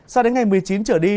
sau đến ngày một mươi chín trở đi